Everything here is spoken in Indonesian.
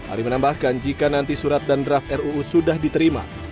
ali menambahkan jika nanti surat dan draft ruu sudah diterima